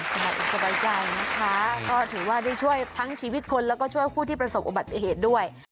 อากาศสบายใจนะคะก็ถือว่าได้ช่วยทั้งชีวิตคนแล้วก็ช่วยผู้ที่ประสบอุบัติเหตุด้วย